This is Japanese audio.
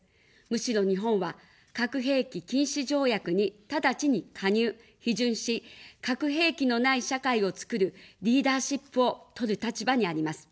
むしろ日本は、核兵器禁止条約に直ちに加入・批准し、核兵器のない社会を作るリーダーシップを取る立場にあります。